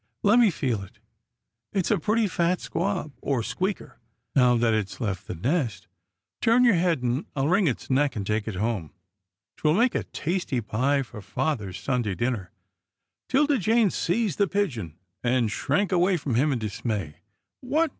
Let me feel it. It's a pretty fat squab, or squeaker, now that it's left the nest. Turn your head, and I'll wring its neck and take it home. 'Twill make a tasty pie for father's Sunday dinner." GRAMPA'S DRIVE 147 'Tilda Jane seized the pigeon, and shrank away from him in dismay. " What